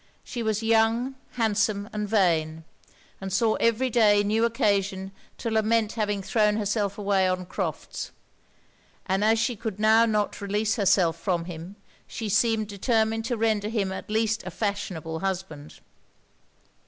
She was young, handsome and vain; and saw every day new occasion to lament having thrown herself away on Crofts: and as she could not now release herself from him, she seemed determined to render him at least a fashionable husband.